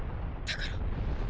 だから。